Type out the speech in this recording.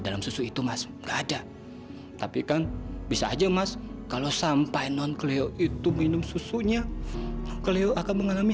dalam susu itu mas ada tapi kan bisa aja mas kalau sampai non kleo itu minum susunya kelihatan mengalami